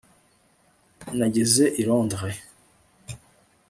Nageze i Londres